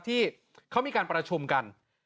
ที่เขามีการประชุมกัน